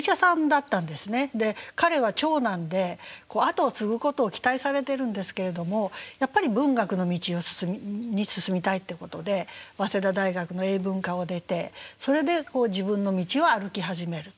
彼は長男で後を継ぐことを期待されてるんですけれどもやっぱり文学の道に進みたいってことで早稲田大学の英文科を出てそれで自分の道を歩き始める。